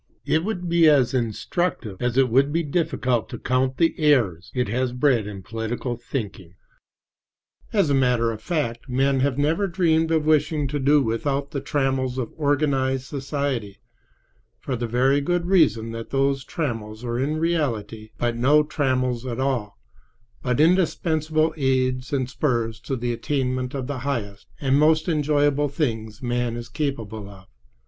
It would be as instructive as it would be difficult to count the errors it has bred in political thinking. As a matter of fact, men have never dreamed of wishing to do without the "trammels" of organized society, for the very good reason that those trammels are in reality but no trammels at all, but indispensable aids and spurs to the attainment of the highest and most enjoyable things man is capable of.